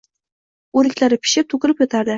O’riklari pishib, to‘kilib yotardi.